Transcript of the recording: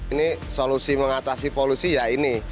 ini solusi mengatasi polusi ya ini